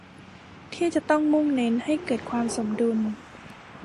ที่จะต้องมุ่งเน้นให้เกิดความสมดุล